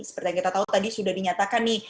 seperti yang kita tahu tadi sudah dinyatakan nih